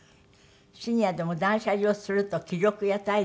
シニアでも断捨離をすると気力や体力がよみがえる？